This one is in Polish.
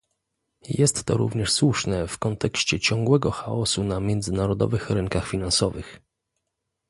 Jest to również słuszne w kontekście ciągłego chaosu na międzynarodowych rynkach finansowych